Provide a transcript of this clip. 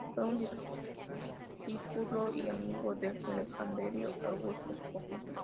Fue un discípulo y amigo del legendario Auguste Escoffier.